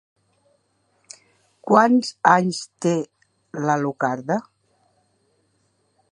Quants anys té l'Alucarda?